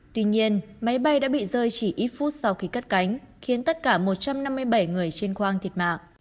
tuy nhiên máy bay đã bị rơi chỉ ít phút sau khi cất cánh khiến tất cả một trăm năm mươi bảy người trên khoang thiệt mạng